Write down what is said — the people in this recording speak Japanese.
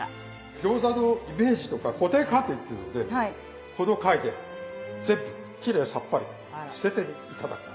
餃子のイメージとか固定観念っていうのをねこの回で全部きれいさっぱり捨てて頂くと。